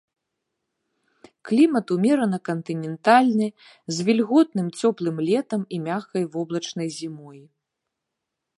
Клімат умерана кантынентальны з вільготным цёплым летам і мяккай воблачнай зімой.